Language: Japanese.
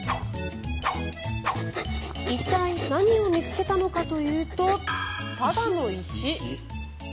一体、何を見つけたのかというとただの石。